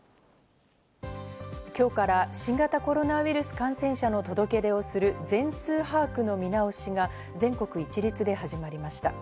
今日から新型コロナウイルス感染者の届け出をする全数把握の見直しが全国一律で始まりました。